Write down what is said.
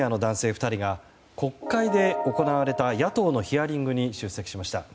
２人が国会で行われた野党のヒアリングに出席しました。